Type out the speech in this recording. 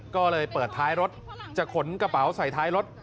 ก็เลยเปิดท้ายรถจะขนกระเป๋าใส่ท้ายรถ